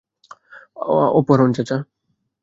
অপহরণ, চাচা।